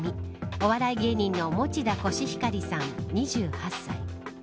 お笑い芸人の餅田コシヒカリさん、２８歳。